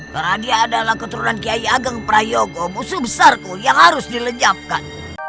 faridah adalah keturunan kiai ageng prayogo musuh besarku yang harus dilejapkan